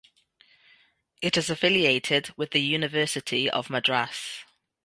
It is affiliated with the University of Madras.